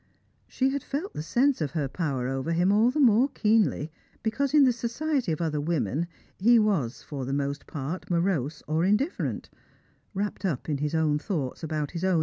She had felt the sense of her power over him all the more keenly because in the society of other women he was, for the most part, morose or indifferent — wrapped up in his own thoughts about his ovro.